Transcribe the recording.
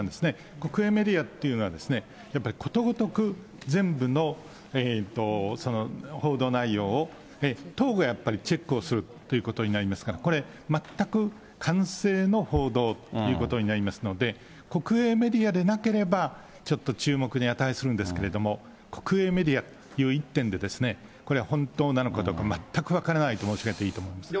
国営メディアっていうのは、やっぱりことごとく全部の報道内容を党がやっぱりチェックをするということになりますから、これ、全くかんせいの報道ということになりますので、国営メディアでなければ、ちょっと注目に値するんですけれども、国営メディアという一点で、これは本当なのかどうか、全く分からないと申し上げていいと思うんですよ。